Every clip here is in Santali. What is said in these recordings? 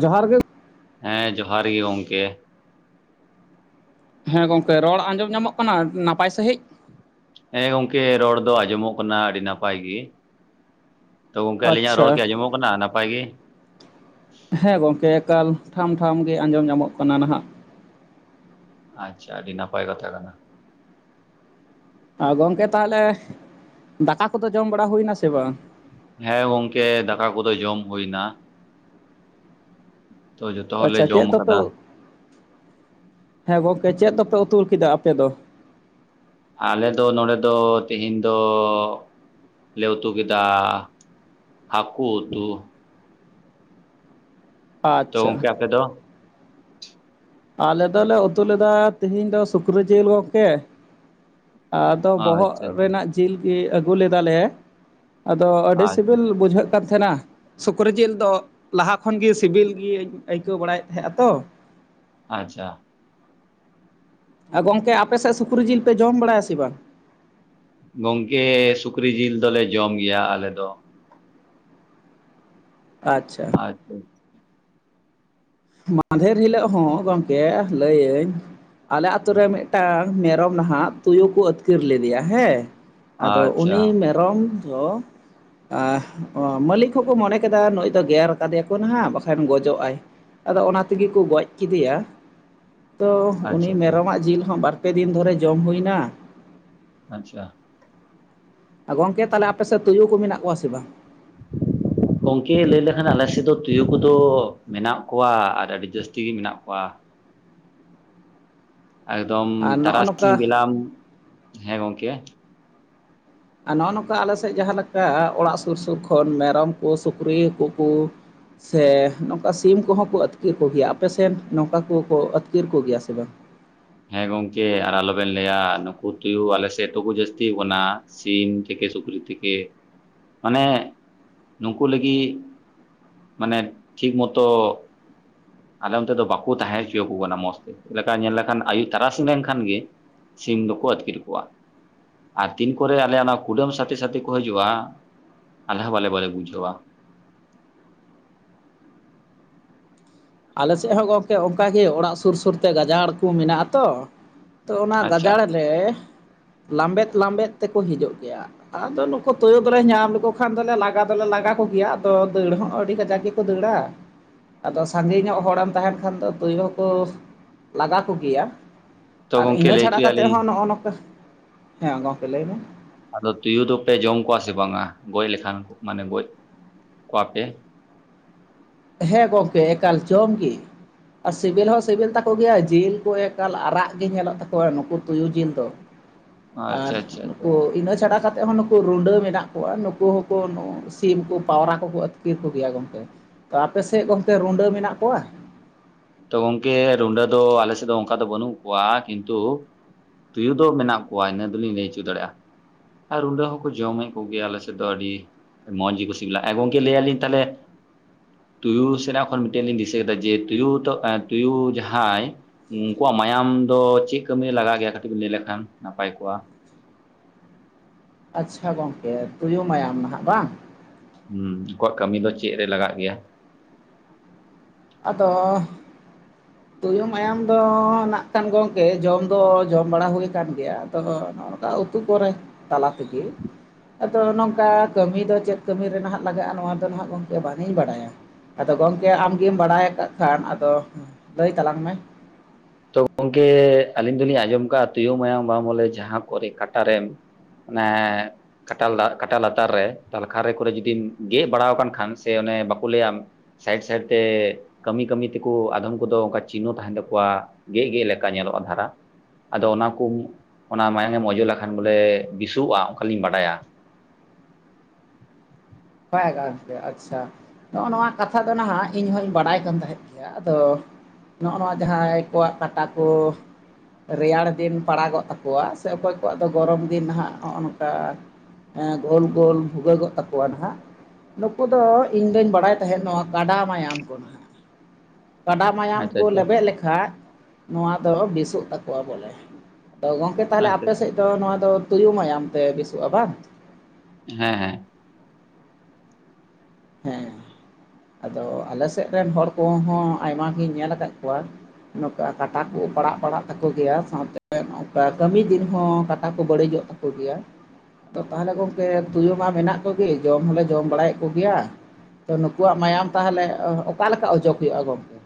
ᱡᱚᱦᱟᱨ ᱜᱮ ᱦᱮᱸ ᱡᱚᱦᱟᱨ ᱜᱮ ᱜᱚᱝᱠᱮᱼᱼ ᱦᱮᱸ ᱜᱚᱝᱠᱮ ᱨᱚᱲ ᱟᱸᱡᱚᱢ ᱧᱟᱢᱚᱜ ᱠᱟᱱᱟ ᱱᱟᱯᱟᱭ ᱥᱟᱺᱦᱤᱡᱼᱼ ᱦᱮᱸ ᱜᱚᱝᱠᱮ ᱨᱚᱲ ᱫᱚ ᱟᱸᱡᱚᱢᱚᱜ ᱠᱟᱱᱟ ᱟᱹᱰᱤ ᱱᱟᱯᱟᱭ ᱜᱮᱼᱼ ᱛᱚ ᱜᱚᱝᱠᱮ ᱟᱹᱞᱤᱧᱟᱜ ᱟᱪᱪᱷᱟ ᱨᱚᱲ ᱠᱤ ᱟᱸᱡᱚᱢᱚᱜ ᱠᱟᱱᱟ ᱱᱟᱯᱟᱭ ᱜᱮ ᱦᱮᱸ ᱜᱚᱝᱠᱮ ᱮᱠᱟᱞ ᱴᱷᱟᱢ ᱴᱷᱟᱢ ᱜᱮ ᱟᱸᱡᱚᱢ ᱧᱟᱢᱚᱜ ᱠᱟᱱᱟ ᱱᱟᱦᱟᱜ ᱟᱪᱪᱷᱟ ᱟᱹᱰᱤ ᱱᱟᱯᱟᱭ ᱠᱟᱛᱷᱟ ᱠᱟᱱᱟ ᱟᱨ ᱜᱚᱝᱠᱮ ᱛᱟᱦᱚᱞᱮ ᱫᱟᱠᱟ ᱠᱚᱫᱚ ᱡᱚᱢ ᱵᱟᱲᱟ ᱦᱩᱭᱱᱟ ᱥᱮ ᱵᱟᱝ ᱦᱮᱸ ᱜᱚᱝᱠᱮ ᱫᱟᱠᱟ ᱠᱚᱫᱚ ᱡᱚᱢ ᱦᱩᱭ ᱮᱱᱟ ᱡᱚᱛᱚ ᱦᱚᱲᱞᱮ ᱟᱪᱪᱷᱟ ᱡᱚᱢ ᱪᱮᱫ ᱫᱚᱯᱮ ᱟᱠᱟᱫᱟ [unintelligible] ᱦᱮᱸ ᱜᱚᱝᱠᱮ ᱪᱮᱫ ᱫᱚᱯᱮ ᱩᱛᱩ ᱠᱮᱫᱟ ᱟᱯᱮ ᱫᱚ ᱟᱞᱮ ᱫᱚ ᱱᱚᱰᱮ ᱫᱚ ᱛᱮᱦᱮᱧ ᱫᱚ ᱞᱮ ᱩᱛᱩ ᱠᱮᱫᱟ ᱦᱟᱹᱠᱩ ᱩᱛᱩ ᱛᱚ ᱟᱪᱪᱷᱟ ᱜᱚᱝᱠᱮ ᱟᱯᱮ ᱫᱚᱼᱼ ᱟᱞᱮ ᱫᱚᱞᱮ ᱩᱛᱩ ᱞᱮᱫᱟ ᱛᱤᱦᱤᱧ ᱫᱚ ᱥᱩᱠᱨᱤ ᱡᱤᱞ ᱜᱚᱝᱠᱮ ᱟᱫᱚ ᱵᱚᱦᱚᱜ ᱟᱪᱪᱷᱟ ᱨᱮᱱᱟᱜ ᱡᱤᱞ ᱜᱮ ᱟᱹᱜᱩ ᱞᱮᱫᱟᱞᱮ ᱟᱫᱚ ᱟᱹᱰᱤ ᱟᱪᱪᱷᱟ ᱥᱤᱵᱤᱞ ᱵᱩᱡᱷᱟᱹᱜ ᱠᱟᱱ ᱛᱟᱦᱮᱸᱱᱟ ᱥᱩᱠᱨᱤ ᱡᱤᱞ ᱫᱚ ᱞᱟᱦᱟ ᱠᱷᱚᱱᱜᱮ ᱥᱤᱵᱤᱞ ᱜᱧ ᱟᱹᱭᱠᱟᱹᱣ ᱵᱟᱲᱟᱭᱮᱫ ᱛᱟᱦᱮᱸᱟ ᱟᱛᱚ ᱟᱪᱪᱷᱟ᱾ ᱟ ᱜᱚᱝᱠᱮ ᱟᱯᱮ ᱥᱮᱫ ᱥᱩᱠᱨᱤ ᱡᱤᱞ ᱯᱮ ᱡᱚᱢ ᱵᱟᱲᱟᱭᱟ ᱥᱮ ᱵᱟᱝ? ᱜᱚᱝᱠᱮ ᱥᱩᱠᱨᱤ ᱡᱤᱞ ᱫᱚᱞᱮ ᱡᱚᱢ ᱜᱮᱭᱟ ᱟᱞᱮ ᱫᱚ᱾ ᱟᱪᱪᱷᱟ᱾ [inaudible] ᱢᱟᱫᱷᱮᱨ ᱦᱤᱞᱳᱜ ᱦᱚᱸ ᱜᱚᱢᱠᱮ ᱞᱟᱹᱭᱟᱹᱧ ᱟᱞᱮ ᱟᱛᱳ ᱨᱮ ᱢᱤᱫᱴᱟᱝ ᱢᱮᱨᱚᱢ ᱱᱟᱦᱟᱜ ᱛᱩᱭᱩ ᱠᱚ ᱟᱹᱛᱠᱤᱨ ᱞᱤᱫᱤᱭᱟ ᱦᱮᱸ, ᱟᱫᱚ ᱟᱪᱪᱷᱟ ᱩᱱᱤ ᱢᱮᱨᱚᱢ ᱫᱚ ᱮᱸ ᱢᱟᱹᱞᱤᱠ ᱦᱚᱸᱠᱚ ᱢᱚᱱᱮ ᱠᱮᱫᱟ ᱱᱩᱭ ᱫᱚ ᱜᱮᱨ ᱟᱠᱟᱫᱮᱭᱟᱠᱚ ᱱᱟᱦᱟᱸᱜ ᱵᱟᱝᱠᱷᱟᱱ ᱜᱚᱡᱚᱜᱼᱟᱭ᱾ ᱟᱫᱚ ᱚᱱᱟ ᱛᱮᱜᱮ ᱠᱚ ᱜᱚᱡ ᱠᱮᱫᱮᱭᱟ ᱛᱚ ᱩᱱᱤ ᱟᱪᱪᱷᱟ ᱟᱪᱪᱷᱟ ᱢᱮᱨᱚᱢᱟᱜ ᱡᱤᱞ ᱦᱚᱸ ᱵᱟᱨ ᱯᱮ ᱫᱤᱱ ᱫᱷᱚᱨᱮ ᱡᱚᱢ ᱦᱩᱭ ᱱᱟ ᱟᱪᱪᱷᱟ᱾ ᱜᱚᱝᱠᱮ ᱛᱟᱦᱚᱞᱮ ᱟᱯᱮ ᱥᱮᱫ ᱛᱩᱭᱩ ᱠᱚ ᱢᱮᱱᱟᱜ ᱠᱚᱣᱟ ᱥᱮ ᱵᱟᱝ? ᱦᱮᱸ [unintelligible] ᱜᱚᱝᱠᱮ ᱞᱟᱹᱭ ᱞᱮᱠᱷᱟᱱ ᱟᱞᱮ ᱥᱮᱫ ᱫᱚ ᱛᱩᱭᱩ ᱠᱚᱫᱚ ᱢᱮᱱᱟᱜ ᱠᱚᱣᱟ ᱟᱨ ᱟᱹᱰᱤ ᱡᱟᱹᱥᱛᱤ ᱜᱮ ᱢᱮᱱᱟᱜ ᱠᱚᱣᱟ᱾ ᱮᱠᱫᱚᱢ ᱟᱨ ᱱᱚᱜᱼᱚ ᱛᱟᱨᱟᱥᱤᱧ ᱱᱚᱝᱠᱟ ᱵᱮᱞᱟᱢ ᱦᱮᱸ ᱜᱚᱝᱠᱮ ᱟᱨ ᱱᱚᱜ ᱱᱚᱝᱠᱟ ᱟᱞᱮ ᱥᱮᱫ ᱡᱟᱦᱟᱸ ᱞᱮᱠᱟ ᱚᱲᱟᱜ ᱥᱩᱨ ᱥᱩᱨ ᱠᱷᱚᱱ ᱢᱮᱨᱚᱢ ᱠᱚ ᱥᱩᱠᱨᱤ ᱠᱩ ᱠᱩ ᱥᱮ ᱱᱚᱝᱠᱟ ᱥᱤᱢ ᱠᱚᱦᱚᱸ ᱠᱚ ᱟᱹᱛᱠᱤᱨ ᱠᱚᱜᱮᱭᱟ ᱟᱯᱮᱥᱮᱫ ᱱᱚᱝᱠᱟ ᱠᱚᱠᱚ ᱟᱹᱛᱠᱟᱹᱨ ᱠᱚᱜᱮᱭᱟ ᱥᱮ ᱵᱟᱝ? ᱦᱮᱸ ᱜᱚᱢᱠᱮ ᱟᱨ ᱟᱞᱚᱵᱮᱱ ᱞᱟᱹᱭᱟ ᱱᱩᱠᱩ ᱛᱩᱭᱩ ᱟᱞᱮ ᱥᱮᱫ ᱫᱚᱠᱚ ᱡᱟᱹᱥᱛᱤ ᱠᱟᱱᱟ᱾ ᱥᱤᱢ ᱛᱷᱮᱠᱮ ᱥᱩᱠᱨᱤ ᱛᱷᱮᱠᱮ ᱢᱟᱱᱮ ᱱᱩᱝᱠᱩ ᱞᱟᱹᱜᱤᱫ ᱢᱟᱱᱮ ᱴᱷᱤᱠ ᱢᱚᱛᱚ ᱟᱞᱮ ᱚᱱᱛᱮ ᱫᱚ ᱵᱟᱠᱩ ᱛᱟᱦᱮᱸ ᱦᱚᱪᱚ ᱟᱠᱚ ᱠᱟᱱᱟ ᱢᱚᱡᱽ ᱛᱮ ᱪᱮᱫ ᱞᱮᱠᱟ ᱧᱮᱞ ᱞᱮᱠᱷᱟᱱ ᱟᱭᱩᱵ ᱛᱟᱨᱟᱥᱤᱧ ᱞᱮᱱᱠᱷᱟᱱ ᱜᱮ ᱥᱤᱢ ᱫᱚᱠᱚ ᱟᱹᱛᱠᱤᱨ ᱠᱚᱣᱟ᱾ ᱟᱨ ᱛᱤᱱ ᱠᱚᱨᱮ ᱟᱞᱮ ᱚᱱᱟ ᱠᱩᱰᱟᱹᱢ ᱥᱟᱛᱮ ᱥᱟᱛᱮ ᱠᱚ ᱦᱤᱡᱩᱜᱼᱟ ᱟᱞᱮᱦᱚ ᱵᱟᱞᱮ ᱵᱟᱞᱮ ᱵᱩᱡᱷᱟᱹᱣᱟ᱾ ᱟᱞᱮ ᱥᱮᱫ ᱦᱚᱸ ᱜᱚᱝᱠᱮ ᱚᱝᱠᱟᱜ ᱜᱮ ᱚᱲᱟᱜ ᱥᱩᱨ ᱥᱩᱨᱛᱮ ᱜᱟᱡᱟᱲ ᱠᱩ ᱢᱮᱱᱟᱜᱼᱟ ᱛᱚ, ᱛᱚ ᱚᱱᱟ ᱟᱪᱪᱷᱟ ᱜᱟᱡᱟᱲ ᱨᱮ ᱞᱟᱢᱵᱮᱫ ᱞᱟᱵᱮᱫ ᱛᱮᱠᱚ ᱦᱤᱡᱩᱜ ᱜᱤᱭᱟ᱾ ᱟᱫᱚ ᱱᱩᱠᱩ ᱛᱩᱭᱩ ᱫᱚᱞᱮ ᱧᱟᱢ ᱞᱮᱠᱚ ᱠᱷᱟᱱ ᱫᱚᱞᱮ ᱞᱟᱜᱟ ᱫᱚᱞᱮ ᱞᱟᱜᱟ ᱠᱚᱜᱮᱭᱟ ᱟᱫᱚ ᱫᱟᱹᱲ ᱦᱚᱸ ᱟᱹᱰᱤ ᱠᱟᱡᱟᱠ ᱜᱮ ᱜᱮᱠᱚ ᱫᱟᱹᱲᱟ ᱟᱫᱚ ᱥᱟᱸᱜᱤ ᱧᱚᱜ ᱦᱚᱲᱮᱢ ᱛᱟᱦᱮᱸᱱ ᱠᱷᱟᱱ ᱫᱚ ᱛᱩᱭᱩ ᱦᱚᱸᱠᱚ ᱞᱟᱜᱟ ᱠᱚᱜᱮᱭᱟ᱾ ᱛᱚ ᱟᱨ ᱜᱚᱝᱠᱮ ᱤᱱᱟᱹ ᱞᱟᱹᱭ ᱪᱷᱟᱲᱟ ᱠᱟᱛᱮ ᱦᱚᱪᱚᱭᱟᱞᱤᱧ ᱦᱚᱸ ᱱᱚᱜᱼᱚ ᱱᱚᱝᱠᱟ ᱦᱮᱸ ᱜᱚᱝᱠᱮ ᱞᱟᱹᱭ ᱢᱮ᱾ ᱟᱫᱚ ᱛᱩᱭᱩ ᱫᱚᱯᱮ ᱡᱚᱢ ᱠᱚᱣᱟ ᱥᱮ ᱵᱟᱝᱟ? ᱜᱚᱡ ᱞᱮᱠᱷᱟᱱ ᱠᱚ ᱢᱟᱱᱮ ᱜᱚᱡ ᱠᱚᱣᱟ ᱯᱮ ᱦᱮᱸ ᱜᱚᱝᱠᱮ ᱮᱠᱟᱞ ᱡᱚᱢ ᱜᱤ᱾ ᱟᱨ ᱥᱤᱵᱤᱞ ᱦᱚᱸ ᱥᱤᱵᱤᱞ ᱛᱟᱠᱚ ᱜᱮᱭᱟ ᱡᱤᱞ ᱠᱚ ᱮᱠᱟᱞ ᱟᱨᱟᱜ ᱜᱮ ᱧᱮᱞᱚᱜ ᱛᱟᱠᱚᱣᱟ ᱱᱩᱠᱩ ᱛᱩᱭᱩ ᱡᱤᱞ ᱫᱚ᱾ ᱟᱨ ᱟᱪᱪᱷᱟ ᱟᱪᱪᱷᱟ ᱱᱩᱠᱩ ᱟᱪᱪᱷᱟ ᱤᱱᱟᱹ ᱪᱷᱟᱲᱟ ᱠᱟ ᱛᱮ ᱦᱚᱸ ᱱᱩᱠᱩ ᱨᱩᱰᱟᱹ ᱢᱮᱱᱟᱜ ᱠᱚᱣᱟ ᱱᱩᱠᱩ ᱦᱚᱸᱠᱚ ᱥᱤᱢ ᱠᱚ ᱯᱟᱣᱨᱟ ᱠᱚᱠᱚ ᱟᱹᱛᱠᱤᱨ ᱠᱚᱜᱮᱭᱟ ᱜᱚᱢᱠᱮ᱾ ᱛᱚ ᱟᱯᱮᱥᱮᱫ ᱜᱚᱝᱠᱮ ᱨᱩᱰᱟᱹ ᱢᱮᱱᱟᱜ ᱠᱚᱣᱟ? ᱛᱚ ᱜᱚᱢᱠᱮ ᱨᱩᱰᱟᱹ ᱫᱚ ᱟᱞᱮ ᱥᱮᱫ ᱫᱚ ᱚᱝᱠᱟ ᱫᱚ ᱵᱟᱹᱱᱩᱜ ᱠᱚᱣᱟ, ᱠᱤᱱᱛᱩ ᱛᱩᱭᱩ ᱫᱚ ᱢᱮᱱᱟᱜ ᱠᱚᱣᱟ ᱤᱱᱟᱹ ᱫᱚᱞᱤᱧ ᱞᱟᱹᱭ ᱦᱚᱪᱚ ᱫᱟᱲᱮᱭᱟᱜᱼᱟ᱾ ᱟᱨ ᱨᱩᱸᱰᱟᱹ ᱦᱚᱸᱠᱚ ᱡᱚᱢᱮᱫ ᱠᱚᱜᱮᱭᱟ ᱟᱞᱮᱥᱮᱫ ᱫᱚ ᱟᱹᱰᱤ ᱢᱚᱡᱽ ᱜᱮ ᱠᱚ ᱥᱤᱵᱞᱟ, ᱜᱚᱢᱠᱮ ᱞᱟᱹᱭᱟᱞᱤᱧ ᱛᱟᱦᱞᱮ ᱛᱩᱭᱩ ᱥᱮᱱᱟᱜ ᱠᱷᱚᱱ ᱢᱤᱫᱴᱮᱱ ᱞᱤᱧ ᱫᱤᱥᱟᱹ ᱠᱮᱫᱟ ᱡᱮ ᱛᱩᱭᱩ ᱛᱚ ᱛᱩᱭᱩ ᱡᱟᱸᱦᱟᱭ ᱩᱱᱠᱩᱣᱟᱜ ᱢᱟᱭᱟᱢ ᱫᱚ ᱪᱮᱫ ᱠᱟᱹᱢᱤᱨᱮ ᱞᱟᱜᱟᱜ ᱜᱮᱭᱟ ᱠᱟᱹᱴᱤᱡ ᱵᱤᱱ ᱞᱟᱹᱭ ᱞᱮᱠᱷᱟᱱ ᱱᱟᱯᱟᱭ ᱠᱚᱜᱼᱟ᱾ ᱟᱪᱪᱷᱟ ᱜᱚᱝᱠᱮ ᱛᱩᱭᱩ ᱢᱟᱭᱟᱢ ᱱᱟᱦᱟᱜ ᱵᱟᱝ? ᱦᱩᱸ ᱩᱱᱠᱩᱣᱟᱜ ᱠᱟᱹᱢᱤ ᱫᱚ ᱪᱮᱫ ᱨᱮ ᱞᱟᱜᱟᱜ ᱜᱮᱭᱟ? ᱟᱫᱚ ᱛᱩᱭᱩ ᱢᱟᱭᱟᱢ ᱫᱚ ᱱᱟᱜ ᱠᱟᱱ ᱜᱚᱢᱠᱮ ᱡᱚᱢ ᱫᱚ ᱡᱚᱢ ᱵᱟᱲᱟ ᱦᱩᱭᱟ ᱠᱟᱱ ᱜᱮᱭᱟ᱾ ᱛᱚ ᱱᱚᱝᱠᱟ ᱩᱛᱩ ᱠᱚᱨᱮ ᱛᱟᱞᱟ ᱛᱮᱜᱮ᱾ ᱟᱫᱚ ᱱᱚᱝᱠᱟ ᱠᱟᱹᱢᱤ ᱫᱚ ᱪᱮᱫ ᱠᱟᱹᱢᱤᱨᱮ ᱱᱟᱦᱟᱜ ᱞᱟᱜᱟᱜᱼᱟ, ᱱᱚᱣᱟ ᱫᱚ ᱱᱟᱦᱟᱜ ᱜᱚᱝᱠᱮ ᱵᱟᱝᱤᱧ ᱵᱟᱲᱟᱭᱟ᱾ ᱟᱫᱚ ᱜᱚᱝᱠᱮ ᱟᱢᱜᱮᱢ ᱵᱟᱲᱟᱭ ᱟᱠᱟᱫ ᱠᱷᱟᱱ ᱟᱫᱚ ᱞᱟᱹᱭ ᱛᱟᱞᱟᱝ ᱢᱮ᱾ ᱛᱚ ᱜᱚᱢᱠᱮ ᱟᱹᱞᱤᱧ ᱫᱚᱞᱤᱧ ᱟᱸᱡᱚᱢ ᱠᱟᱜᱼᱟ ᱛᱩᱭᱩ ᱢᱟᱭᱟᱢ ᱵᱟᱢᱚᱞᱮ ᱡᱟᱦᱟᱸ ᱠᱚᱨᱮ ᱠᱟᱴᱟᱨᱮᱢ ᱚᱱᱮ ᱠᱟᱴᱟᱞ ᱠᱟᱴᱟ ᱞᱟᱛᱟᱨ ᱨᱮ ᱛᱟᱦᱚᱞᱮ ᱠᱷᱟᱨᱮ ᱠᱚᱨᱮ ᱡᱩᱫᱤᱢ ᱜᱮᱫ ᱵᱟᱲᱟ ᱟᱠᱟᱱ ᱠᱷᱟᱱ ᱥᱮ ᱚᱱᱮ ᱵᱟᱠᱚ ᱞᱟᱹᱭᱟᱢ ᱥᱟᱭᱤᱰ ᱥᱟᱭᱤᱰ ᱛᱮ ᱠᱟᱹᱢᱤ ᱠᱟᱹᱢᱤ ᱛᱮᱠᱚ ᱟᱫᱷᱚᱢ ᱠᱚᱫᱚ ᱚᱱᱠᱟ ᱪᱤᱱᱦᱚ ᱛᱟᱦᱮᱱ ᱛᱟᱠᱚᱣᱟ᱾ ᱜᱮ ᱜᱮ ᱞᱮᱠᱟ ᱧᱮᱞᱚᱜᱼᱟ ᱫᱷᱟᱨᱟ᱾ ᱟᱫᱚ ᱚᱱᱟ ᱠᱚ ᱚᱱᱟ ᱢᱟᱭᱟᱢᱮᱢ ᱚᱡᱚᱜ ᱞᱮᱠᱷᱟᱱ ᱵᱚᱞᱮ ᱵᱮᱥᱚᱜᱼᱟ ᱚᱱᱠᱟᱞᱤᱧ ᱵᱟᱰᱟᱭᱟ᱾ ᱵᱟᱭ ᱜᱷᱟ ᱟᱪᱪᱷᱟ᱾ ᱱᱚᱜᱼᱚ ᱱᱚᱣᱟ ᱠᱟᱛᱷᱟ ᱫᱚ ᱱᱟᱦᱟᱜ ᱤᱧ ᱦᱚᱧ ᱵᱟᱲᱟᱭ ᱠᱟᱱ ᱛᱟᱦᱮᱸᱫ ᱜᱮᱭᱟ ᱟᱫᱚ ᱱᱚᱜ ᱱᱚᱣᱟ ᱡᱟᱦᱟᱸᱭ ᱠᱚᱣᱟᱜ ᱠᱟᱴᱟ ᱠᱚ ᱨᱮᱭᱟᱲ ᱫᱤᱱ ᱯᱟᱲᱟᱜᱚᱜ ᱛᱟᱠᱚᱣᱟ ᱥᱮ ᱚᱠᱚᱭ ᱠᱚᱣᱟᱜ ᱫᱚ ᱜᱚᱨᱚᱢ ᱫᱤᱱ ᱱᱟᱜ ᱱᱚᱜᱼᱚ ᱱᱚᱝᱠᱟ ᱜᱳᱞ ᱜᱳᱞ ᱵᱷᱩᱜᱟᱹᱜᱚᱜ ᱛᱟᱠᱚᱣᱟ ᱱᱟᱦᱟᱜ ᱱᱩᱠᱩ ᱫᱚ ᱤᱧᱫᱚᱩᱧ ᱵᱟᱲᱟᱭ ᱛᱟᱦᱮᱸᱫ ᱱᱚᱣᱟ ᱠᱟᱰᱟ ᱢᱟᱭᱟᱢ ᱠᱚ ᱠᱟᱰᱟ ᱢᱟᱭᱟᱢ ᱟᱪᱪᱷᱟ ᱠᱚ ᱟᱪᱪᱷᱟ ᱞᱮᱵᱮᱫ ᱞᱮᱠᱷᱟᱡ ᱱᱚᱣᱟ ᱫᱚ ᱵᱮᱥᱚᱜ ᱛᱟᱠᱚᱣᱟ ᱵᱚᱞᱮ᱾ ᱟᱫᱚ ᱜᱚᱝᱠᱮ ᱛᱟᱦᱚᱞᱮ ᱟᱪᱪᱷᱟ ᱟᱯᱮ ᱟᱪᱪᱷᱟ ᱥᱮᱫ ᱫᱚ ᱱᱚᱣᱟ ᱫᱚ ᱛᱩᱭᱩ ᱢᱟᱭᱟᱢ ᱛᱮ ᱵᱮᱥᱚᱜᱼᱟ ᱵᱟᱝ? ᱦᱮᱸ ᱦᱮᱸ᱾ ᱦᱮᱸ ᱟᱫᱚ ᱟᱞᱮ ᱥᱮᱫ ᱨᱮᱱ ᱦᱚᱲ ᱠᱚᱦᱚᱸ ᱟᱭᱢᱟᱜᱤᱧ ᱧᱮᱞ ᱟᱠᱟᱫ ᱠᱚᱣᱟ᱾ ᱱᱚᱝᱠᱟ ᱠᱟᱴᱟ ᱠᱚ ᱯᱟᱲᱟᱜ ᱯᱟᱲᱟᱜ ᱛᱟᱠᱚ ᱜᱮᱭᱟ ᱥᱟᱶᱛᱮ ᱱᱚᱜᱚᱝᱠᱟ ᱠᱟᱹᱢᱤ ᱫᱤᱱ ᱦᱚᱸ ᱠᱟᱴᱟ ᱠᱚ ᱵᱟᱹᱲᱤᱡᱼᱚᱜ ᱛᱟᱠᱚ ᱜᱮᱭᱟ᱾ ᱛᱚ ᱛᱟᱦᱚᱞᱮ ᱜᱚᱢᱠᱮ ᱛᱩᱭᱩ ᱢᱟ ᱢᱮᱱᱟᱜ ᱠᱚᱜᱮ ᱡᱚᱢ ᱦᱚᱸᱞᱮ ᱡᱚᱢ ᱵᱟᱲᱟᱭᱮᱫ ᱠᱚᱜᱮᱭᱟ᱾ ᱛᱚ ᱱᱩᱠᱩᱣᱟᱜ ᱢᱟᱭᱟᱢ ᱛᱟᱦᱚᱞᱮ ᱚᱠᱟ ᱞᱮᱠᱟ ᱚᱡᱚᱜ ᱦᱩᱭᱩᱜᱼᱟ ᱜᱚᱢᱠᱮ?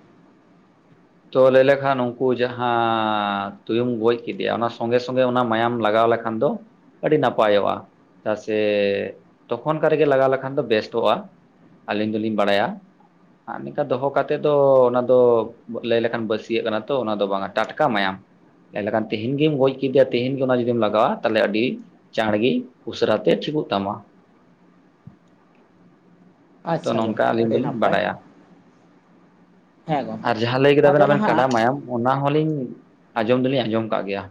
ᱛᱚ ᱞᱟᱹᱭ ᱞᱮᱠᱷᱟᱱ ᱩᱱᱠᱩ ᱡᱟᱦᱟᱸ ᱛᱩᱭᱩᱢ ᱜᱚᱡ ᱠᱮᱫᱮᱭᱟ ᱚᱱᱟ ᱥᱚᱸᱜᱮ ᱥᱚᱸᱜᱮ ᱚᱱᱟ ᱢᱟᱭᱟᱢ ᱞᱟᱜᱟᱣ ᱞᱮᱠᱷᱟᱱ ᱫᱚ ᱟᱹᱰᱤ ᱱᱟᱯᱟᱭᱚᱜᱼᱟ᱾ ᱪᱮᱫᱟᱜ ᱥᱮ ᱛᱚᱠᱷᱚᱱ ᱠᱟᱜ ᱨᱮᱜᱮ ᱞᱟᱜᱟᱣ ᱞᱮᱠᱷᱟᱱ ᱫᱚ ᱵᱮᱥᱴᱚᱜᱼᱟ᱾ ᱟᱹᱞᱤᱧ ᱫᱚᱞᱤᱧ ᱵᱟᱲᱟᱭᱟ ᱟᱨ ᱱᱤᱝᱠᱟ ᱫᱚᱦᱚ ᱠᱟᱛᱮ ᱫᱚ ᱚᱱᱟ ᱫᱚ ᱞᱟᱹᱭ ᱞᱮᱠᱷᱟᱱ ᱵᱟᱹᱥᱤᱭᱟᱹᱜ ᱠᱟᱱᱟ ᱛᱚ ᱚᱱᱟ ᱫᱚ ᱵᱟᱝᱟ ᱴᱟᱴᱠᱟ ᱢᱟᱭᱟᱢ᱾ ᱞᱮ ᱠᱷᱟᱱ ᱛᱮᱦᱮᱧ ᱜᱮᱢ ᱜᱚᱡ ᱠᱮᱫᱮᱭᱟ ᱛᱮᱦᱮᱧ ᱜᱮ ᱚᱱᱟ ᱡᱩᱫᱤᱢ ᱞᱟᱜᱟᱣᱟ ᱛᱟᱦᱞᱮ ᱟᱹᱰᱤ ᱪᱟᱸᱬᱜᱮ ᱩᱥᱟᱹᱨᱟ ᱛᱮ ᱴᱷᱤᱠᱩᱜ ᱛᱟᱢᱟ᱾ ᱛᱚ ᱟᱪᱪᱷᱟ ᱱᱚᱝᱠᱟ ᱜᱚᱝᱠᱮ ᱟᱹᱞᱤᱧ ᱟᱹᱰᱤ ᱫᱚᱞᱤᱧ ᱱᱟᱯᱟᱭ ᱵᱟᱰᱭᱟ᱾ ᱦᱮᱸ ᱜᱚᱝᱠᱮ ᱟᱨ ᱡᱟᱦᱟᱸ ᱞᱟᱹᱭ ᱠᱮᱫᱟ ᱟᱫᱚ ᱵᱮᱱ ᱟᱵᱮᱱ ᱠᱟᱰᱟ ᱱᱟᱦᱟᱜ ᱢᱟᱭᱟᱢ ᱚᱱᱟ ᱦᱚᱞᱤᱧ ᱟᱸᱡᱚᱢ ᱫᱚᱞᱤᱧ ᱟᱸᱡᱚᱢ ᱠᱟᱜ ᱜᱮᱭᱟ᱾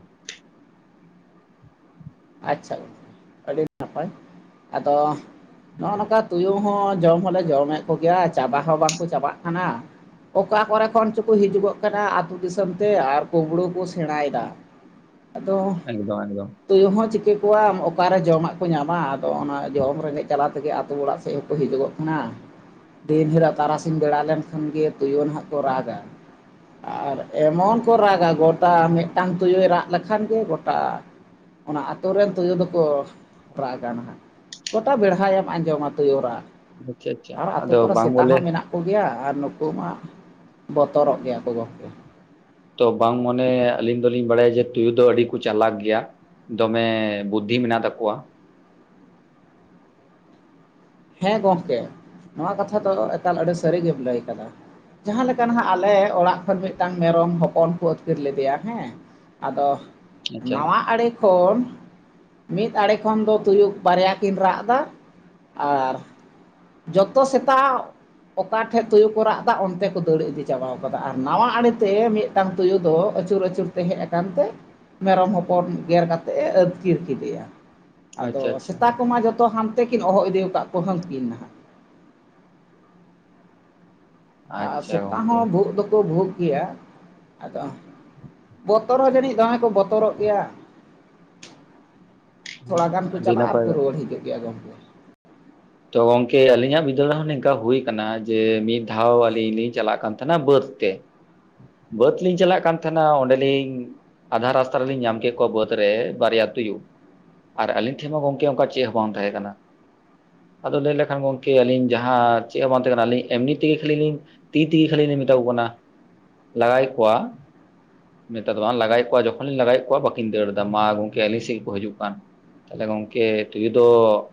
ᱟᱪᱪᱷᱟ ᱟᱹᱰᱤ ᱱᱟᱯᱟᱭ ᱟᱫᱚ ᱱᱚᱜᱼᱚ ᱱᱚᱝᱠᱟ ᱛᱩᱭᱩ ᱦᱚᱸ ᱡᱚᱢ ᱦᱚᱞᱮ ᱡᱚᱢᱮᱫ ᱠᱚᱜᱮᱭᱟ ᱪᱟᱵᱟ ᱦᱚᱸ ᱵᱟᱝᱠᱚ ᱪᱟᱵᱟᱜ ᱠᱟᱱᱟ᱾ ᱚᱠᱟ ᱠᱚᱨᱮ ᱠᱷᱚᱱ ᱪᱚᱠᱚ ᱦᱤᱡᱩᱜᱚᱜ ᱠᱟᱱᱟ ᱟᱹᱛᱩ ᱫᱤᱥᱚᱢ ᱛᱮ ᱟᱨ ᱠᱩᱸᱵᱽᱲᱩ ᱠᱚ ᱥᱮᱬᱟᱭ ᱮᱫᱟ᱾ ᱟᱫᱚ ᱮᱠᱫᱚᱢ ᱮᱠᱫᱚᱢ᱾ ᱛᱩᱭᱩ ᱦᱚᱸ ᱪᱤᱠᱟᱹ ᱠᱚᱣᱟᱢ ᱚᱠᱟᱨᱮ ᱡᱚᱢᱟᱜ ᱠᱚ ᱧᱟᱢᱟ ᱟᱫᱚ ᱚᱱᱟ ᱡᱚᱢ ᱨᱮᱸᱜᱮ ᱡᱟᱞᱟ ᱛᱮᱜᱮ ᱟᱛᱳ ᱚᱲᱟᱜ ᱦᱚᱸᱠᱚ ᱦᱤᱡᱩᱜᱚᱜ ᱠᱟᱱᱟ᱾ ᱫᱤᱱ ᱦᱤᱞᱳᱜ ᱛᱟᱨᱟᱥᱤᱧ ᱵᱮᱲᱟ ᱞᱮᱱᱠᱷᱟᱱ ᱜᱮ ᱛᱩᱭᱩ ᱱᱟᱦᱜ ᱠᱚ ᱨᱟᱜ ᱟ᱾ ᱟᱨ ᱮᱢᱚᱱ ᱠᱚ ᱨᱟᱜᱟ ᱜᱚᱴᱟ ᱢᱤᱫᱴᱟᱝ ᱛᱩᱭᱩ ᱨᱟᱜ ᱞᱮᱠᱷᱟᱱ ᱜᱮ ᱜᱚᱴᱟ ᱚᱱᱟ ᱟᱹᱛᱳ ᱨᱮᱱ ᱛᱳᱭᱳ ᱫᱚᱠᱚ ᱨᱟᱜᱟ ᱱᱦᱟᱸᱜ᱾ ᱜᱚᱴᱟ ᱵᱮᱲᱦᱟᱭ ᱮᱢ ᱟᱸᱡᱚᱢᱟ ᱛᱳᱭᱳ ᱨᱟᱜ ᱟᱪᱪᱷᱟ ᱟᱪᱪᱷᱟ ᱟᱨ ᱟᱛᱳ ᱟᱫᱚ ᱠᱚᱨᱮ ᱵᱟᱝ ᱥᱮᱛᱟ ᱵᱚᱞᱮ ᱦᱚᱸ ᱢᱮᱱᱟᱜ ᱠᱚᱜᱮᱭᱟ ᱟᱨ ᱱᱩᱠᱩ ᱢᱟ ᱵᱚᱛᱚᱨᱚᱜ ᱜᱮᱭᱟ ᱠᱚ ᱡᱟᱹᱥᱛᱤ᱾ ᱛᱚ ᱵᱟᱝ ᱢᱚᱱᱮ ᱟᱹᱞᱤᱧ ᱫᱚᱞᱤᱧ ᱵᱟᱲᱟᱭᱟ ᱡᱮ ᱛᱩᱭᱩ ᱫᱚ ᱟᱹᱰᱤ ᱠᱚ ᱪᱟᱞᱟᱠ ᱜᱮᱭᱟ᱾ ᱫᱚᱢᱮ ᱵᱩᱫᱽᱫᱷᱤ ᱢᱮᱱᱟᱜ ᱛᱟᱠᱚᱣᱟ᱾ ᱦᱮᱸ ᱜᱚᱝᱠᱮ ᱱᱚᱣᱟ ᱠᱟᱛᱷᱟ ᱫᱚ ᱮᱠᱟᱞ ᱟᱹᱰᱤ ᱥᱟᱹᱨᱤ ᱜᱮᱢ ᱞᱟᱹᱭ ᱟᱠᱟᱫᱟ᱾ ᱡᱟᱦᱟᱸ ᱞᱮᱠᱟ ᱱᱟᱦᱜ ᱟᱞᱮ ᱚᱲᱟᱜ ᱠᱷᱚᱱ ᱢᱤᱫᱴᱟᱝ ᱢᱮᱨᱚᱢ ᱦᱚᱯᱚᱱ ᱠᱚ ᱟᱹᱛᱠᱤᱨ ᱞᱮᱫᱮᱭᱟ ᱦᱮᱸ᱾ ᱟᱫᱚ, ᱟᱪᱪᱷᱟ ᱱᱟᱣᱟ ᱟᱲᱮ ᱠᱷᱚᱱ ᱢᱤᱫ ᱟᱲᱮ ᱠᱷᱚᱱ ᱫᱚ ᱛᱩᱭᱩ ᱵᱟᱨᱭᱟ ᱠᱤᱱ ᱨᱟᱜ ᱫᱟ, ᱟᱨ ᱡᱚᱛᱚ ᱥᱮᱛᱟ ᱚᱠᱟ ᱴᱷᱮᱱ ᱛᱳᱭᱳ ᱠᱚ ᱨᱟᱜ ᱫᱟ ᱚᱱᱛᱮ ᱠᱚ ᱫᱟᱹᱲ ᱤᱫᱤ ᱪᱟᱵᱟᱣ ᱠᱟᱫᱟ ᱟᱨ ᱱᱟᱣᱟ ᱟᱲᱮ ᱛᱮ ᱢᱤᱫ ᱴᱟᱝ ᱛᱩᱭᱩ ᱫᱚ ᱟᱹᱪᱩᱨ ᱟᱹᱪᱩᱨ ᱛᱮ ᱦᱮᱡ ᱟᱠᱟᱱ ᱛᱮ ᱢᱮᱨᱚᱢ ᱦᱚᱯᱚᱱ ᱜᱮᱨ ᱠᱟᱛᱮᱜ ᱮ ᱟᱹᱛᱠᱤᱨ ᱠᱮᱫᱮᱭᱟ᱾ ᱟᱫᱚ ᱟᱪᱪᱷᱟ ᱟᱪᱪᱷᱟ ᱥᱮᱛᱟ ᱠᱚᱢᱟ ᱡᱚᱛᱚ ᱦᱟᱱᱛᱮᱠᱤᱱ ᱦᱚᱦᱚ ᱤᱫᱤ ᱟᱠᱟᱫ ᱠᱚᱣᱟ ᱦᱟᱱᱠᱤᱱ ᱱᱟᱦᱟᱜ᱾ ᱟᱨ ᱟᱪᱪᱷᱟ ᱥᱮᱛᱟ ᱜᱚᱝᱠᱮ ᱦᱚᱸ ᱵᱷᱩᱜ ᱫᱚᱠᱚ ᱵᱷᱩᱜᱽ ᱜᱮᱭᱟ᱾ ᱟᱫᱚ ᱵᱚᱛᱚᱨ ᱦᱚᱸ ᱡᱟᱹᱱᱤᱡ ᱫᱚᱢᱮ ᱠᱚ ᱵᱚᱛᱚᱨᱼᱚᱜ ᱜᱮᱭᱟ᱾ ᱛᱷᱚᱲᱟ ᱜᱟᱱ ᱠᱚ ᱟᱹᱰᱤ ᱪᱟᱞᱟᱜᱼᱟ ᱱᱟᱯᱟᱭ ᱟᱨᱠᱚ ᱨᱩᱣᱟᱹᱲ ᱦᱤᱡᱩᱜ ᱜᱮᱭᱟ ᱜᱚᱝᱠᱮ᱾ ᱛᱚ ᱜᱚᱝᱠᱮ ᱟᱹᱞᱤᱧᱼᱟᱜ ᱵᱤᱫᱟᱹᱞ ᱨᱮ ᱦᱚᱸ ᱱᱤᱝᱠᱟ ᱦᱩᱭ ᱠᱟᱱᱟ ᱡᱮ ᱢᱤᱫ ᱫᱷᱟᱣ ᱟᱹᱞᱤᱧ ᱞᱤᱧ ᱪᱟᱞᱟᱜ ᱠᱟᱱ ᱛᱟᱦᱸᱮᱱ ᱟ ᱵᱟᱹᱫᱽ ᱛᱮ ᱵᱟᱹᱫᱽ ᱞᱤᱧ ᱪᱟᱞᱟᱜ ᱠᱟᱱ ᱛᱟᱦᱸᱮᱱᱟ ᱚᱸᱰᱮᱞᱤᱧ ᱟᱫᱷᱟ ᱨᱟᱥᱛᱟ ᱨᱮᱞᱤᱧ ᱧᱟᱢ ᱠᱮᱜ ᱠᱚᱣᱟ ᱵᱟᱹᱫᱽ ᱨᱮ ᱵᱟᱨᱭᱟ ᱛᱩᱭᱩ, ᱟᱨ ᱟᱞᱤᱧ ᱴᱷᱮᱱ ᱢᱟ ᱜᱚᱢᱠᱮ ᱚᱱᱠᱟ ᱪᱮᱫ ᱦᱚᱸ ᱵᱟᱝ ᱛᱟᱦᱮᱸ ᱠᱟᱱᱟ᱾ ᱟᱫᱚ ᱞᱟᱹᱭ ᱞᱮᱠᱷᱟᱱ ᱜᱚᱢᱠᱮ ᱟᱹᱞᱤᱧ ᱡᱟᱦᱟᱸ ᱪᱮᱫ ᱦᱚᱸ ᱵᱟᱝ ᱛᱟᱦᱮᱸ ᱠᱟᱱᱟ ᱟᱹᱞᱤᱧ ᱮᱢᱱᱤ ᱛᱮᱜᱮ ᱠᱷᱟᱹᱞᱤ ᱞᱤᱧ ᱛᱤ ᱛᱮᱜᱮ ᱠᱷᱟᱹᱞᱤ ᱞᱤᱧ ᱢᱮᱛᱟ ᱠᱚ ᱠᱟᱱᱟ ᱞᱟᱜᱟᱭᱼᱮᱫ ᱠᱚᱣᱟ, ᱢᱮᱛᱟ ᱫᱚ ᱵᱟᱝ ᱞᱟᱜᱟᱭᱼᱮᱫ ᱠᱚ ᱡᱚᱠᱷᱚᱱ ᱞᱤᱧ ᱞᱟᱜᱟᱭᱼᱮᱫ ᱠᱚᱣᱟ ᱵᱟᱠᱤᱱ ᱫᱟᱹᱲ ᱮᱫᱟ ᱢᱟ ᱜᱚᱢᱠᱮ ᱟᱹᱞᱤᱧ ᱥᱮᱫ ᱜᱮᱠᱚ ᱦᱤᱡᱩᱜ ᱠᱟᱱ᱾ ᱛᱟᱦᱚᱞᱮ ᱜᱚᱝᱠᱮ ᱛᱩᱭᱩ ᱫᱚ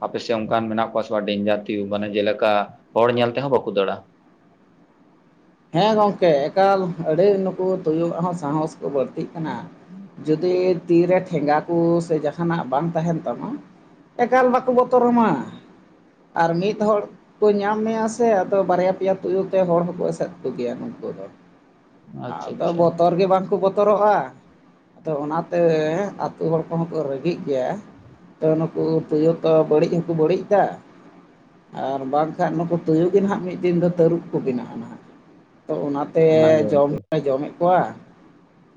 ᱟᱯᱮ ᱥᱮᱫ ᱚᱱᱠᱟᱱ ᱢᱮᱱᱟᱜ ᱠᱚᱣᱟ ᱠᱚᱣᱟ ᱰᱮᱧᱡᱟᱨ ᱛᱩᱭᱩ ᱢᱟᱱᱮ ᱡᱮᱞᱮᱠᱟ ᱦᱚᱲ ᱧᱮᱞ ᱛᱮᱦᱚᱸ ᱵᱟᱠᱚ ᱫᱟᱹᱲ ᱟ᱾ ᱦᱮᱸ ᱜᱚᱢᱠᱮ ᱮᱠᱟᱞ ᱟᱹᱰᱤ ᱱᱩᱠᱩ ᱛᱩᱭᱩᱣᱟᱜ ᱦᱚᱸ ᱥᱟᱦᱚᱸᱥ ᱠᱚ ᱵᱟᱹᱲᱛᱤᱜ ᱠᱟᱱᱟ᱾ ᱡᱩᱫᱤ ᱛᱤᱨᱮ ᱴᱷᱮᱸᱜᱟ ᱠᱚ ᱥᱮ ᱡᱟᱦᱟᱱᱟᱜ ᱵᱟᱝ ᱛᱟᱦᱮᱱ ᱛᱟᱢᱟ ᱮᱠᱟᱞ ᱵᱟᱠᱚ ᱵᱚᱛᱚᱨ ᱟᱢᱟ ᱾ ᱟᱨ ᱢᱤᱫ ᱦᱚᱲ ᱠᱚ ᱧᱟᱢ ᱢᱮᱭᱟ ᱥᱮ ᱟᱫᱚ ᱵᱟᱨᱭᱟ ᱯᱮᱭᱟ ᱛᱩᱭᱩ ᱛᱮ ᱦᱚᱲ ᱦᱚᱸᱠᱚ ᱮᱥᱮᱫ ᱜᱮᱭᱟ ᱱᱩᱠᱩ ᱫᱚ ᱟᱪᱪᱷᱟ ᱟᱫᱚ ᱟᱪᱪᱷᱟ ᱵᱚᱛᱚᱨ ᱜᱮ ᱵᱟᱝᱠᱚ ᱵᱚᱛᱚᱨᱚᱜᱼᱟ ᱛᱚ ᱚᱱᱟᱛᱮ ᱟᱛᱳ ᱦᱚᱲ ᱠᱚᱦᱚᱸ ᱠᱚ ᱨᱮᱜᱤᱜ ᱜᱮᱭᱟ, ᱛᱚ ᱱᱩᱠᱩ ᱛᱩᱭᱩ ᱛᱚ ᱵᱟᱹᱲᱤᱡ ᱦᱚᱸᱠᱚ ᱵᱟᱹᱲᱤᱡ ᱮᱫᱟ᱾ ᱟᱨ ᱵᱟᱝᱠᱷᱟᱱ ᱱᱩᱠᱩ ᱛᱩᱭᱩ ᱜᱮ ᱱᱟᱦᱟᱜ ᱢᱤᱫ ᱫᱤᱱ ᱫᱚ ᱛᱟᱹᱨᱩᱵ ᱠᱚ ᱵᱮᱱᱟᱜᱼᱟ ᱱᱟᱦᱟᱜ᱾ ᱛᱚ ᱚᱱᱟᱛᱮ ᱚᱱᱟᱜᱮ ᱡᱚᱢ ᱜᱚᱝᱠᱮ ᱦᱚᱞᱮ ᱡᱚᱢᱮᱫ ᱠᱚᱣᱟ᱾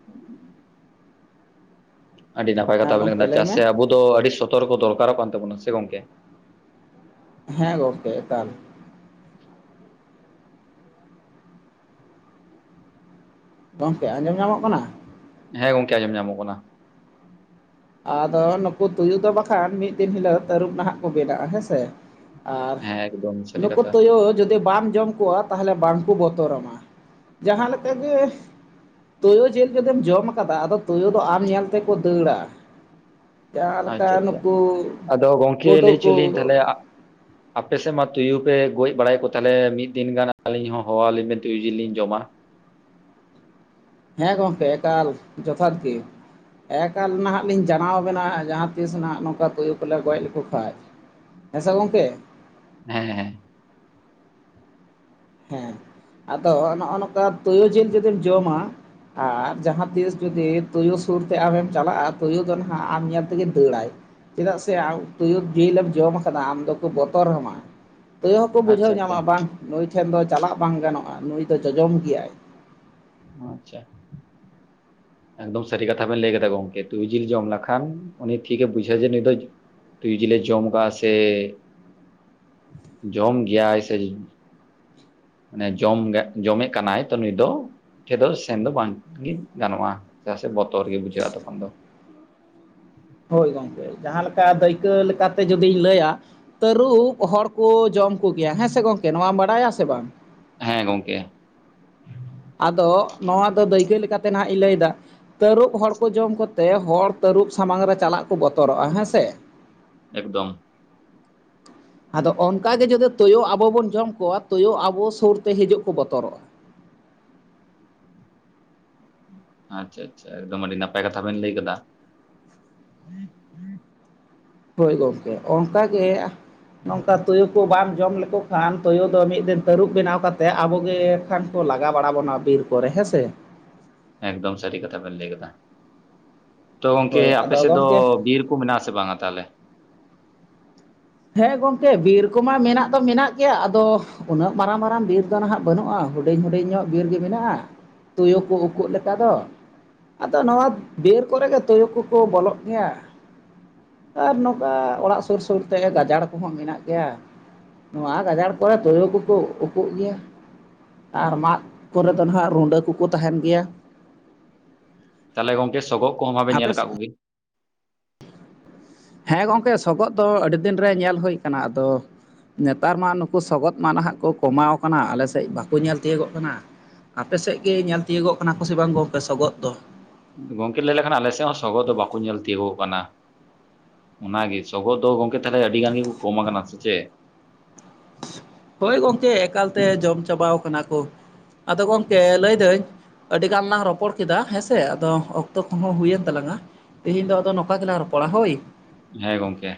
[inaudible] ᱟᱹᱰᱤ ᱱᱟᱯᱟᱭ ᱠᱟᱛᱷᱟ ᱦᱮᱸ ᱵᱚᱱ ᱞᱟᱹᱭ ᱜᱚᱢᱠᱮ ᱠᱟᱫᱟ ᱪᱮᱫᱟᱜ ᱢᱮ ᱥᱮ ᱟᱵᱚ ᱫᱚ ᱟᱹᱰᱤ ᱥᱚᱛᱚᱨᱠᱚ ᱫᱚᱨᱠᱟᱨᱚᱜ ᱠᱟᱱ ᱛᱟᱵᱚᱱᱟ ᱥᱮ ᱪᱮᱫ ᱜᱚᱝᱠᱮ? ᱦᱮᱸ ᱜᱚᱢᱠᱮ ᱮᱠᱟᱞ᱾ [unintelligible] ᱜᱚᱢᱠᱮ ᱟᱸᱡᱚᱢ ᱧᱟᱢᱚᱜ ᱠᱟᱱᱟ? ᱦᱮᱸ ᱜᱚᱝᱠᱮ ᱟᱡᱚᱢ ᱧᱟᱢᱚᱜ ᱠᱟᱱᱟ᱾ ᱟᱫᱚ ᱱᱩᱠᱩ ᱛᱩᱭᱩ ᱫᱚ ᱵᱟᱠᱷᱟᱱ ᱢᱤᱫ ᱫᱤᱱ ᱦᱤᱞᱳᱜ ᱛᱟᱹᱨᱩᱵ ᱱᱟᱦᱟᱜ ᱠᱚ ᱵᱮᱱᱟᱜᱼᱟ ᱦᱮᱸᱥᱮ᱾ ᱟᱨ ᱦᱮᱸ ᱮᱠᱫᱚᱢ ᱥᱟᱹᱨᱤ ᱱᱩᱠᱩ ᱠᱟᱛᱷᱟ ᱛᱩᱭᱩ ᱡᱩᱫᱤ ᱵᱟᱢ ᱡᱚᱢ ᱛᱟᱦᱚᱞᱮ ᱵᱟᱝᱠᱚ ᱵᱚᱛᱚᱨᱟᱢᱟ ᱡᱟᱦᱟᱸ ᱞᱮᱠᱟ ᱜᱮ ᱛᱩᱭᱩ ᱡᱤᱞ ᱡᱩᱫᱤᱢ ᱡᱚᱢ ᱟᱠᱟᱫᱟ ᱟᱫᱚ ᱛᱩᱭᱩ ᱫᱚ ᱟᱢ ᱧᱮᱞ ᱛᱮᱠᱚ ᱫᱟᱹᱲᱟ ᱾ ᱟᱪᱪᱷᱟ ᱟᱪᱪᱷᱟ᱾ [inaudible] ᱟᱫᱚ ᱜᱚᱝᱠᱮ ᱜᱩᱰᱩ ᱞᱟᱹᱭ ᱦᱚᱪᱚ ᱮᱫ ᱠᱚ ᱟᱹᱞᱤᱧ ᱛᱟᱦᱚᱞᱮ ᱟ ᱟᱯᱮ ᱥᱮᱫ ᱢᱟ ᱛᱩᱭᱩ ᱯᱮ ᱜᱚᱡ ᱵᱟᱲᱟᱭᱮᱫ ᱠᱚ ᱛᱟᱦᱚᱞᱮ ᱢᱤᱫ ᱫᱤᱱ ᱜᱟᱱ ᱟᱹᱞᱤᱧ ᱦᱚᱸ ᱦᱚᱦᱚᱣᱟᱞᱤᱧ ᱵᱮᱱ ᱛᱩᱭᱩ ᱡᱤᱞ ᱞᱤᱧ ᱡᱚᱢᱟ ᱾ ᱦᱮᱸ ᱜᱚᱢᱠᱮ ᱮᱠᱟᱞ ᱡᱚᱛᱷᱟᱛ ᱜᱮ ᱾ ᱮᱠᱟᱞ ᱱᱟᱦᱟᱜ ᱞᱤᱧ ᱡᱟᱱᱟᱣ ᱟᱵᱮᱱᱟ ᱡᱟᱦᱟᱸ ᱛᱤᱥ ᱱᱟᱦᱟᱜ ᱱᱚᱝᱠᱟ ᱛᱩᱭᱩ ᱠᱚᱞᱮ ᱜᱚᱡ ᱞᱮᱠᱚ ᱠᱷᱟᱡ ᱾ ᱦᱮᱸᱥᱮ ᱜᱚᱢᱠᱮ ᱾ ᱦᱮᱸ ᱦᱮᱸ ᱾ ᱦᱮᱸ ᱟᱫᱚ ᱱᱚᱜᱼᱚ ᱱᱚᱝᱠᱟ ᱛᱩᱭᱩ ᱡᱤᱞ ᱡᱩᱫᱤᱢ ᱡᱚᱢᱟ ᱟᱨ ᱡᱟᱦᱟᱸ ᱛᱤᱥ ᱡᱩᱫᱤ ᱛᱩᱭᱩ ᱥᱩᱨ ᱛᱮ ᱟᱢᱮᱢ ᱪᱟᱞᱟᱜᱼᱟ ᱛᱩᱭᱩ ᱫᱚ ᱱᱟᱦᱟᱜ ᱟᱢ ᱧᱮᱞ ᱛᱮᱜᱮᱭ ᱫᱟᱹᱲᱟᱭ ᱾ ᱪᱮᱫᱟᱜ ᱥᱮ ᱟᱢ ᱛᱩᱭᱩ ᱡᱤᱞ ᱮᱢ ᱡᱚᱢ ᱟᱠᱟᱫᱟ ᱟᱢ ᱫᱚᱠᱚ ᱵᱚᱛᱚᱨ ᱟᱢᱟ ᱾ ᱛᱩᱭᱩ ᱦᱚᱸᱠᱚ ᱵᱩᱡᱷᱟᱹᱣ ᱟᱪᱪᱷᱟ ᱧᱟᱢᱟ ᱟᱪᱪᱷᱟ ᱵᱟᱝ ᱱᱩᱭ ᱴᱷᱮᱱ ᱫᱚ ᱪᱟᱞᱟᱜ ᱵᱟᱝ ᱜᱟᱱᱚᱜᱼᱟ ᱱᱩᱭ ᱫᱚ ᱡᱚᱡᱚᱢ ᱜᱮᱭᱟᱭ ᱾ ᱟᱪᱪᱷᱟ ᱾ [inaudible] ᱮᱠᱫᱚᱢ ᱥᱟᱹᱨᱤ ᱠᱟᱛᱷᱟ ᱵᱮᱱ ᱞᱟᱹᱭ ᱠᱮᱫᱟ ᱜᱚᱝᱠᱮ ᱛᱩᱭᱩ ᱡᱤᱞ ᱡᱚᱢ ᱞᱮᱠᱷᱟᱱ ᱩᱱᱤ ᱴᱷᱤᱠᱮ ᱵᱩᱡᱷᱟᱹᱣ ᱡᱮ ᱱᱩᱭ ᱫᱚ ᱛᱩᱭᱩ ᱡᱤᱞᱮ ᱡᱚᱢ ᱮᱫᱟ ᱥᱮ [inaudible] ᱡᱚᱢ ᱜᱮᱭᱟᱭ ᱥᱮ ᱢᱟᱱᱮ ᱡᱚᱢ ᱡᱚᱢᱮᱫ ᱠᱟᱱᱟᱭ ᱛᱚ ᱱᱩᱭ ᱫᱚ ᱴᱷᱮᱱ ᱫᱚ ᱥᱮᱱ ᱫᱚ ᱵᱟᱝᱜᱮ ᱜᱟᱱᱚᱜᱼᱟ ᱪᱮᱫᱟᱜ ᱥᱮ ᱵᱚᱛᱚᱨ ᱜᱮ ᱵᱩᱡᱷᱟᱹᱜᱼᱟ ᱛᱚᱠᱷᱚᱱ ᱫᱚ ᱾ ᱦᱳᱭ ᱜᱚᱝᱠᱮ ᱡᱟᱦᱟᱸ ᱞᱮᱠᱟ ᱫᱟᱹᱭᱠᱟᱹ ᱞᱮᱠᱟᱛᱮ ᱡᱩᱫᱤᱧ ᱞᱟᱹᱭᱟ ᱛᱟᱹᱨᱩᱵ ᱦᱚᱲ ᱠᱚ ᱡᱚᱢ ᱠᱚᱜᱮᱭᱟ ᱦᱮᱸ ᱥᱮ ᱜᱚᱝᱠᱮ ᱱᱚᱣᱟᱢ ᱵᱟᱲᱟᱭᱟ ᱥᱮ ᱵᱟᱝ? ᱦᱮᱸ ᱜᱚᱝᱠᱮ ᱾ ᱟᱫᱚ ᱱᱚᱣᱟ ᱫᱚ ᱫᱟᱹᱭᱠᱟᱹ ᱞᱮᱠᱟᱛᱮ ᱱᱟᱦᱟᱜ ᱤᱧ ᱞᱟᱹᱭ ᱮᱫᱟ ᱾ ᱛᱟᱹᱨᱩᱵ ᱦᱚᱲ ᱠᱚ ᱡᱚᱢ ᱠᱚᱛᱮ ᱦᱚᱲ ᱛᱟᱹᱨᱩᱵ ᱥᱟᱢᱟᱝ ᱨᱮ ᱪᱟᱞᱟᱜ ᱠᱚ ᱵᱚᱛᱚᱨᱚᱜᱼᱟ ᱦᱮᱸ ᱥᱮ ᱾ ᱮᱠᱫᱚᱢ ᱾ ᱟᱫᱚ ᱚᱱᱠᱟ ᱜᱮ ᱡᱩᱫᱤ ᱛᱩᱭᱩ ᱟᱵᱚ ᱵᱚᱱ ᱡᱚᱢ ᱠᱚᱣᱟ ᱛᱩᱭᱩ ᱟᱵᱚ ᱥᱩᱨᱛᱮ ᱦᱤᱡᱩᱜ ᱠᱚ ᱵᱚᱛᱚᱨᱚᱜᱼᱟ ᱾ ᱟᱪᱪᱷᱟ ᱟᱪᱪᱷᱟ ᱮᱠᱫᱚᱢ ᱟᱹᱰᱤ ᱱᱟᱯᱟᱭ ᱠᱟᱛᱷᱟ ᱵᱮᱱ ᱞᱟᱹᱭ ᱟᱠᱟᱫᱟ ᱾ [inaudible] ᱦᱳᱭ ᱜᱚᱢᱠᱮ, ᱚᱱᱠᱟ ᱜᱮ ᱱᱚᱝᱠᱟ ᱛᱩᱭᱩ ᱠᱚ ᱵᱟᱢ ᱡᱚᱢ ᱞᱮᱠᱚ ᱠᱷᱟᱱ ᱛᱩᱭᱩ ᱫᱚ ᱢᱤᱫ ᱫᱤᱱ ᱛᱟᱹᱨᱩᱵ ᱵᱮᱱᱟᱣ ᱠᱟᱛᱮᱫ ᱟᱵᱚ ᱜᱮ ᱮᱱᱠᱷᱟᱱ ᱠᱚ ᱞᱟᱜᱟ ᱵᱟᱲᱟ ᱵᱚᱱᱟ ᱵᱤᱨ ᱠᱚ ᱠᱚᱨᱮ ᱦᱮᱸᱥᱮ ᱾ ᱮᱠᱫᱚᱢ ᱥᱟᱹᱨᱤ ᱠᱟᱛᱷᱟ ᱵᱮᱱ ᱞᱟᱹᱭ ᱠᱮᱫᱟ ᱾ [inaudible] ᱛᱚ ᱜᱚᱢᱠᱮ ᱦᱳᱭ ᱟᱯᱮ ᱟᱫᱚ ᱥᱮᱫ ᱫᱚ ᱜᱚᱝᱠᱮ ᱵᱤᱨ ᱢᱮᱱᱟᱜᱼᱟ ᱥᱮ ᱵᱟᱝᱟ ᱛᱟᱦᱚᱞᱮ? ᱦᱮᱸ ᱜᱚᱢᱠᱮ ᱵᱤᱨ ᱠᱚᱢᱟ ᱢᱮᱱᱟᱜ ᱫᱚ ᱢᱮᱱᱟᱜ ᱜᱮᱭᱟ ᱟᱫᱚ ᱩᱱᱟᱹᱜ ᱢᱟᱨᱟᱝ ᱢᱟᱨᱟᱝ ᱵᱤᱨ ᱫᱚ ᱱᱟᱦᱟᱜ ᱵᱟᱹᱱᱩᱜᱼᱟ ᱦᱩᱰᱤᱧ ᱦᱩᱰᱤᱧ ᱧᱚᱜ ᱵᱤᱨ ᱜᱮ ᱢᱮᱱᱟᱜᱼᱟ ᱾ ᱛᱩᱭᱩ ᱠᱚ ᱩᱰᱩᱠᱚᱜ ᱞᱮᱠᱟ ᱫᱚ ᱟᱫᱚ ᱱᱚᱣᱟ ᱵᱤᱨ ᱠᱚᱨᱮ ᱜᱮ ᱛᱩᱭᱩ ᱠᱚᱠᱚ ᱵᱚᱞᱚᱜ ᱜᱮᱭᱟ ᱾ ᱟᱨ ᱱᱚᱝᱠᱟ ᱚᱲᱟᱜ ᱥᱩᱨ ᱥᱩᱨ ᱱᱚᱛᱮ ᱜᱮ ᱜᱟᱡᱟᱲ ᱠᱚᱦᱚᱸ ᱢᱮᱱᱟᱜ ᱜᱮᱭᱟ, ᱱᱚᱣᱟ ᱜᱟᱡᱟᱲ ᱠᱚᱨᱮ ᱛᱩᱭᱩ ᱠᱚᱠᱚ ᱩᱠᱩᱜ ᱜᱮᱭᱟ ᱾ ᱟᱨ ᱢᱟᱫ ᱠᱚᱨᱮ ᱫᱚ ᱱᱟᱦᱟᱜ ᱨᱩᱰᱟᱹ ᱠᱚᱠᱚ ᱛᱟᱦᱮᱱ ᱜᱮᱭᱟ ᱾ ᱛᱟᱦᱚᱞᱮ ᱜᱚᱝᱠᱮ ᱥᱚᱜᱚᱜ ᱠᱚᱦᱚᱸ [unintelligible] ᱟᱯᱮ ᱧᱮᱞ ᱥᱮᱫ ᱟᱠᱟᱜ ᱠᱚᱜᱮ? ᱦᱮᱸ ᱜᱚᱝᱠᱮ ᱥᱚᱜᱚᱜ ᱫᱚ ᱟᱹᱰᱤ ᱫᱤᱱ ᱨᱮ ᱧᱮᱞ ᱦᱩᱭ ᱟᱠᱟᱱᱟ ᱟᱫᱚ ᱱᱮᱛᱟᱨ ᱢᱟ ᱱᱩᱠᱩ ᱥᱚᱜᱚᱫ ᱢᱟ ᱱᱟᱦᱟᱜ ᱠᱚ ᱠᱚᱢᱟᱣ ᱟᱠᱟᱱᱟ ᱟᱞᱮ ᱥᱮᱫ ᱵᱟᱠᱩ ᱧᱮᱞ ᱛᱤᱭᱳᱜᱚᱜ ᱠᱟᱱᱟ ᱾ ᱟᱯᱮ ᱥᱮᱫ ᱜᱮ ᱧᱮᱞ ᱛᱤᱭᱳᱜᱚᱜ ᱠᱟᱱᱟ ᱠᱚ ᱥᱮ ᱵᱟᱝ ᱜᱚᱝᱠᱮ ᱥᱚᱜᱚᱫ ᱫᱚ? ᱜᱚᱝᱠᱮ ᱞᱟᱹᱭ ᱞᱮᱠᱷᱟᱱ ᱟᱞᱮ ᱥᱮᱫ ᱦᱚᱸ ᱥᱚᱜᱚᱫ ᱫᱚ ᱵᱟᱠᱩ ᱧᱮᱞ ᱛᱤᱭᱳᱜᱚᱜ ᱠᱟᱱᱟ ᱾ ᱚᱱᱟᱜᱮ ᱥᱚᱜᱚᱫ ᱫᱚ ᱜᱚᱝᱠᱮ ᱛᱟᱦᱚᱞᱮ ᱟᱹᱰᱤ ᱜᱟᱱ ᱜᱮᱠᱚ ᱠᱚᱢ ᱟᱠᱟᱱᱟ ᱥᱮ ᱪᱮᱫ? ᱦᱳᱭ ᱜᱚᱢᱠᱮ ᱮᱠᱟᱞ ᱛᱮ ᱡᱚᱢ ᱪᱟᱵᱟ ᱟᱠᱟᱱᱟ ᱠᱚ ᱾ ᱟᱫᱚ ᱜᱚᱢᱠᱮ ᱞᱟᱹᱭᱫᱟᱹᱧ ᱟᱹᱰᱤ ᱜᱟᱱ ᱞᱟᱝ ᱨᱚᱯᱚᱲ ᱠᱮᱫᱟ ᱦᱮᱸᱥᱮ ᱟᱫᱚ ᱚᱠᱛᱚ ᱠᱚᱦᱚᱸ ᱦᱩᱭᱮᱱ ᱛᱟᱞᱟᱝᱟ ᱾ ᱛᱮᱦᱤᱧ ᱫᱚ ᱟᱫᱚ ᱱᱚᱝᱠᱟ ᱜᱮᱞᱟᱝ ᱨᱚᱯᱚᱲᱟ ᱦᱚᱭ᱾ ᱦᱮᱸ ᱜᱚᱝᱠᱮ᱾